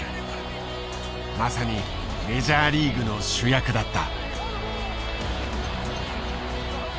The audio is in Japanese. まさにメジャーリーグの主役だった。